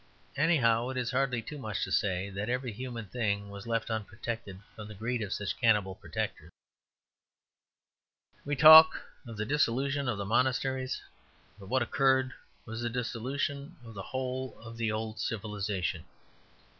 Anyhow, it is hardly too much to say that every human thing was left unprotected from the greed of such cannibal protectors. We talk of the dissolution of the monasteries, but what occurred was the dissolution of the whole of the old civilization.